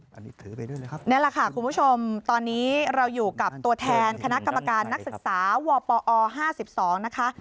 นั่นแหละค่ะคุณผู้ชมตอนนี้เราอยู่กับตัวแทนคณะกรรมการนักศึกษาวปอ๕๒นะคะ